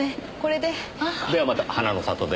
ではまた花の里で。